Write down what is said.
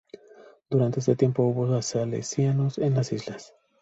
Durante ese tiempo hubo salesianos en las islas.